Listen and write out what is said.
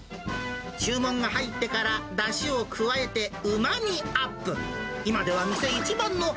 注文が入ってからだしを加えてうまみアップ。